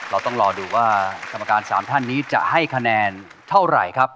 เราต้องรอดูว่ากรรมการ๓ท่านนี้จะให้คะแนนเท่าไหร่ครับ